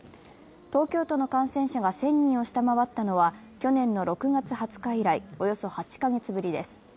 東京都の感染者が１０００人を下回ったのは去年の６月２０日以来、およそ８か月ぶりです。